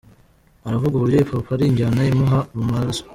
Aravuga uburyo Hip Hop ari injyana imuba mu maraso.